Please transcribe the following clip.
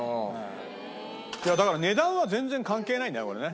だから値段は全然関係ないんだよこれね。